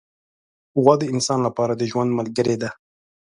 غوا د انسان له پاره د ژوند ملګرې ده.